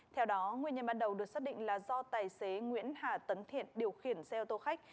theo đó nguyên nhân ban đầu được xác định là do tài xế nguyễn hà tấn thiện điều khiển xe ô tô khách